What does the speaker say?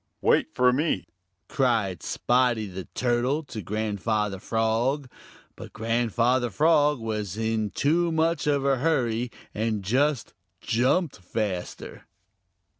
"Wait for me!" cried Spotty the Turtle to Grandfather Frog, but Grandfather Frog was in too much of a hurry and just jumped faster.